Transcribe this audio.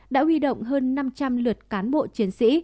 đã huy động hơn năm trăm linh lượt cán bộ chiến sĩ